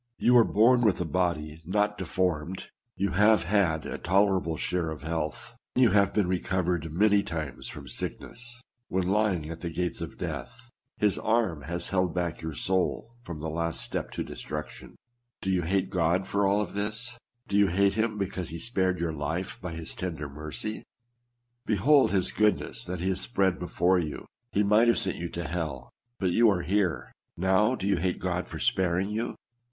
You are born with a body not deformed ; you have had a toler able share of health ; you have been recovered many times from sickness ; when lying at the gates of death, his arm has held back your soul from the last step to destruction. Do you hate God for all this ? Do you hate Mm because he spared your life by his tender mercy? Behold his goodness that he hath spread before you ! He might have sent you to hell ; but you are here. Now, do you hate God for sparing you?